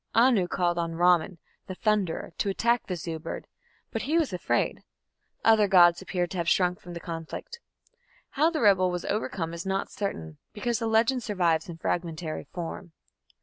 Anu called on Ramman, the thunderer, to attack the Zu bird, but he was afraid; other gods appear to have shrunk from the conflict. How the rebel was overcome is not certain, because the legend survives in fragmentary form.